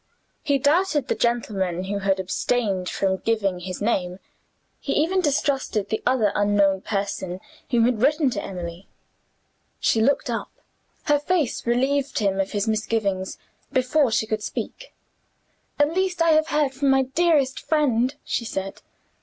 He doubted the gentleman who had abstained from giving his name; he even distrusted the other unknown person who had written to Emily. She looked up. Her face relieved him of his misgivings, before she could speak. "At last, I have heard from my dearest friend," she said.